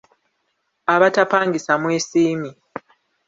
Abatapangisa mwesiimye.